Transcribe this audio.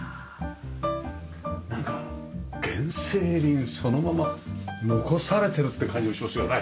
なんか原生林そのまま残されているって感じがしますよね？